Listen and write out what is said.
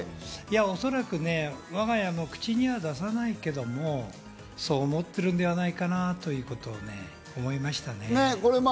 我が家もおそらく口には出さないけれど、そう思ってるんではないかなということをね、思いましたね。